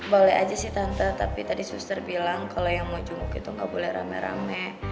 boleh aja sih tante tapi tadi suster bilang kalau yang mau junguk itu nggak boleh rame rame